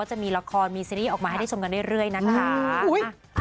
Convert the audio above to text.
จะมีละครเล่นเมื่อออกมาให้ได้ชมกันได้เรื่อยนะคะ